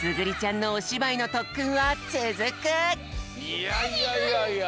いやいやいやいや。